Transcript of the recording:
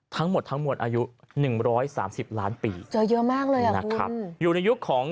ทั้งหมดทั้งมวลอายุหนึ่งร้อยสามสิบล้านปีเจอเยอะมากเลยอ่ะนะครับอยู่ในยุคของ